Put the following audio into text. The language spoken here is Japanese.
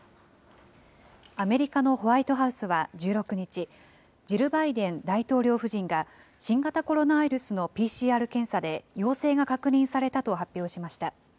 アメリカのホワイトハウスは１６日、ジル・バイデン大統領夫人が、新型コロナウイルスのＰＣＲ検査で陽性が確認されたと発表しました。